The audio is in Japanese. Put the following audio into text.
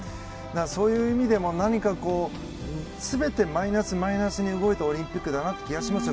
そういう意味でも何か全てマイナス、マイナスに動いたオリンピックだなっていう気がしますよ。